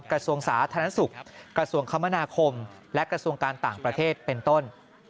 กระทรวงสาธารณสุขกระทรวงคมนาคมและกระทรวงการต่างประเทศเป็นต้น